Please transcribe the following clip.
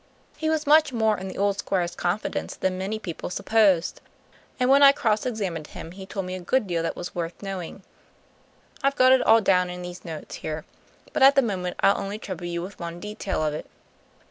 He was much more in the old Squire's confidence than many people supposed; and when I cross examined him he told me a good deal that was worth knowing. I've got it all down in these notes here; but at the moment I'll only trouble you with one detail of it.